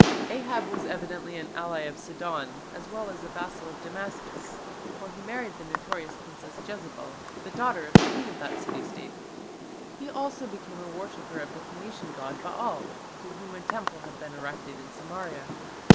Ahab was evidently an ally of Sidon as well as a vassal of Damascus, for he married the notorious princess Jezebel, the daughter of the king of that city State. He also became a worshipper of the Phoenician god Baal, to whom a temple had been erected in Samaria.